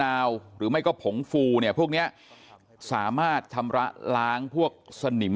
หรือไม่ก็ผงฟูเนี่ยพวกเนี้ยสามารถชำระล้างพวกสนิม